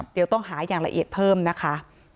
เดี๋ยวต้องหาอย่างละเอียดเพิ่มนะคะ